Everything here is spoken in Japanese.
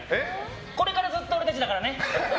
これからずっと俺たちだからね！